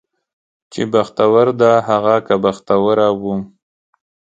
چې بختوره ده هغه که بختوره ومه